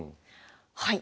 はい。